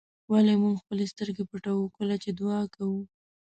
ولې موږ خپلې سترګې پټوو کله چې دعا کوو.